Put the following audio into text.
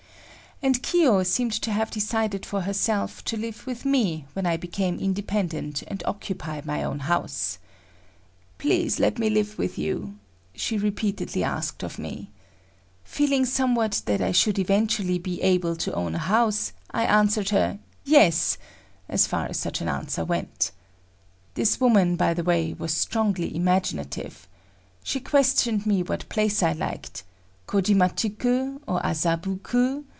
And Kiyo seemed to have decided for herself to live with me when I became independent and occupy my own house. "Please let me live with you,"—she repeatedly asked of me. Feeling somewhat that I should eventually be able to own a house, I answered her "Yes," as far as such an answer went. This woman, by the way, was strongly imaginative. She questioned me what place I liked,—Kojimachi ku or Azabu ku?